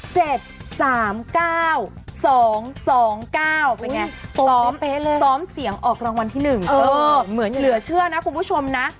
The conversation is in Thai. ซ้อมเสี่ยงออกรางวัลที่๑เหลือเชื่อนะคุณผู้ชมนะ